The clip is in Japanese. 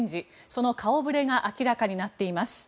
その顔触れが明らかになっています。